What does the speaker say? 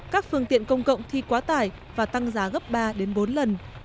các phương tiện công cộng thi quá tải và tăng giá gấp ba đến bốn lần